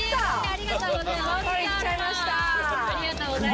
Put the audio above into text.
ありがとうございます。